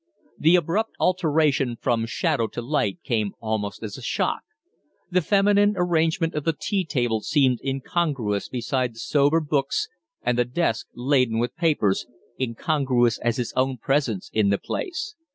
The abrupt alteration from shadow to light came almost as a shock. The feminine arrangement of the tea table seemed incongruous beside the sober books and the desk laden with papers incongruous as his own presence in the place.